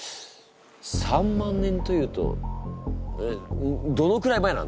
３万年というとんどのくらい前なんだ？